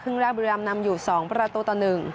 คึ่งแรกบริรามนำอยู่๒ประตูต่อ๑